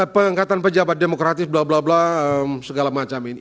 pengangkatan pejabat demokrat bla bla bla segala macam ini